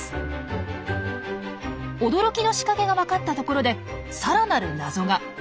驚きの仕掛けがわかったところでさらなる謎が。